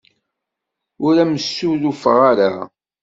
Ur am-ssurufeɣ ara.